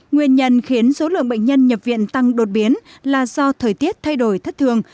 nguyên nhân khiến số lượng bệnh nhân nhập viện tăng đột biến là do thời tiết thay đổi thất thường